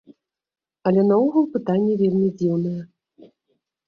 Але наогул пытанне вельмі дзіўнае.